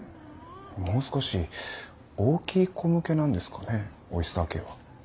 もう少し大きい子向けなんですかねオイスターＫは。